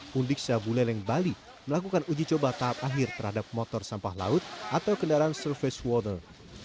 pundik sabuleleng bali melakukan uji coba tahap akhir terhadap motor sampah laut atau kendaraan surface water